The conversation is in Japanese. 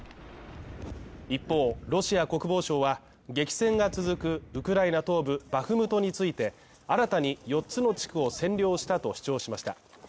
一方、ロシア国防省は、激戦が続くウクライナ東部バフムトについて新たに４つの地区を占領したと主張しました。